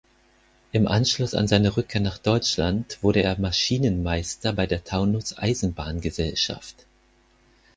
Im Anschluss an seine Rückkehr nach Deutschland wurde er Maschinenmeister bei der Taunus-Eisenbahn-Gesellschaft.